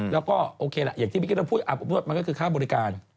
แล้วก็โอเคล่ะอย่างที่เมื่อกี้เราพูดอาบอบนวดมันก็คือค่าบริการ